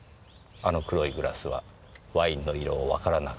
あの黒いグラスはワインの色をわからなくするため。